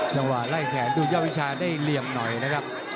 จังหวะไล่แขนดูยอดวิชาได้เหลี่ยมหน่อยนะครับ